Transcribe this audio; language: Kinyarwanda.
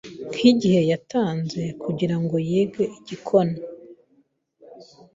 nkigihe yatanze kugirango yige igikona